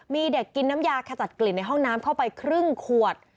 มีเด็กกินน้ำยาขจัดกลิ่นในห้องน้ำเข้าไปครึ่งขวด